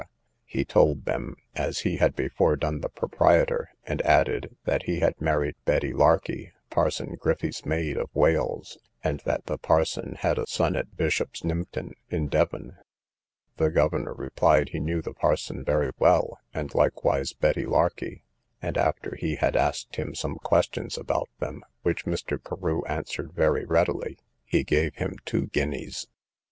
he told him, as he had before done the proprietor, and added, that he had married Betty Larkey, parson Griffy's maid, of Wales, and that the parson had a son at Bishop's Nympton, in Devon: the governor replied he knew the parson very well, and likewise Betty Larkey; and after he had asked him some questions about them, which Mr. Carew answered very readily, he gave him two guineas.